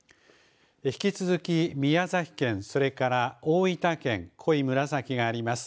引き続き宮崎県、それから大分県、濃い紫があります。